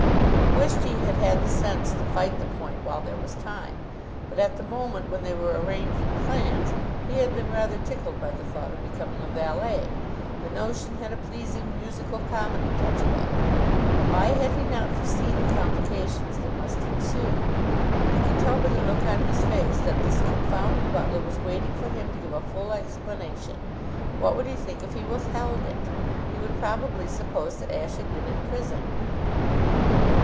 He wished he had had the sense to fight the point while there was time; but at the moment when they were arranging plans he had been rather tickled by the thought of becoming a valet. The notion had a pleasing musical comedy touch about it. Why had he not foreseen the complications that must ensue? He could tell by the look on his face that this confounded butler was waiting for him to give a full explanation. What would he think if he withheld it? He would probably suppose that Ashe had been in prison.